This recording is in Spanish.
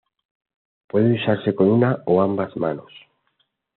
Puede usarse con una o ambas manos.